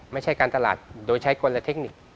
ไม่ใช่การตลาดโดยใช้คนละเทคนิค